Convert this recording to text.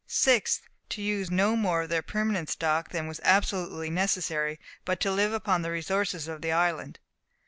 6th. To use no more of their permanent stock than was absolutely necessary, but to live upon the resources of the island.